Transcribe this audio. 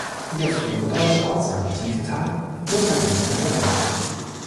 Der frühere deutsche Ortsname "Tiefental" wird heute nicht mehr verwendet.